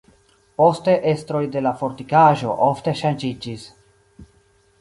Poste estroj de la fortikaĵo ofte ŝanĝiĝis.